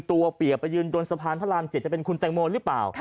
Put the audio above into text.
เปียกไปยืนบนสะพานพระราม๗จะเป็นคุณแตงโมหรือเปล่า